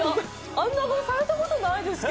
あんな顔されたことないですよね。